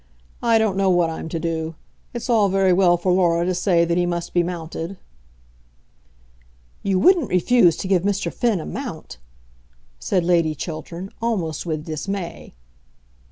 I don't know what I'm to do. It's all very well for Laura to say that he must be mounted." "You wouldn't refuse to give Mr. Finn a mount!" said Lady Chiltern, almost with dismay.